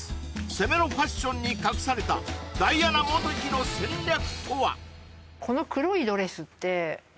攻めのファッションに隠されたダイアナ元妃の戦略とは？